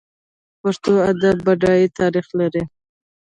پښتو ادب بډای تاریخ لري.